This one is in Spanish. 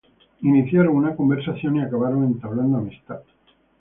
Iniciaron una conversación y acabaron entablando amistad.